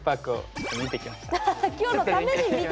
ちょっと見てきました。